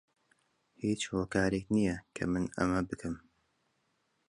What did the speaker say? هیچ هۆکارێک نییە کە من ئەمە بکەم.